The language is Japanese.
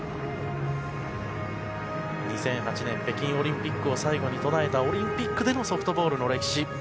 ２００８年北京オリンピックを最後に途絶えた、オリンピックでのソフトボールの歴史。